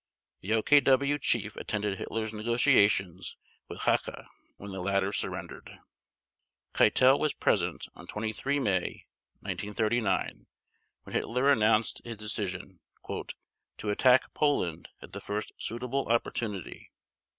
The OKW Chief attended Hitler's negotiations with Hacha when the latter surrendered. Keitel was present on 23 May 1939 when Hitler announced his decision "to attack Poland at the first suitable opportunity".